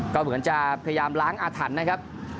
ก็เหมือนจะพยายามล้างอาถรรพ์นะครับ